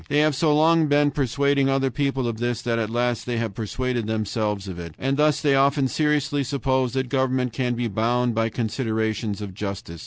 They have so long been persuading other people of this that at last they have persuaded themselves of it; and thus they often seriously suppose that government can be bound by considerations of justice.